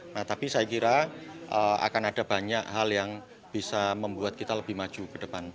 nah tapi saya kira akan ada banyak hal yang bisa membuat kita lebih maju ke depan